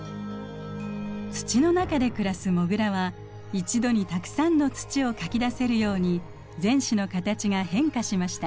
土の中で暮らすモグラは一度にたくさんの土をかき出せるように前肢の形が変化しました。